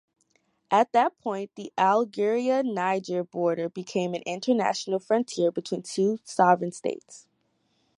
At that point the Algeria–Niger border became an international frontier between two sovereign states.